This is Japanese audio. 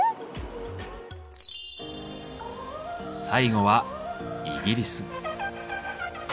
最後はイギリス。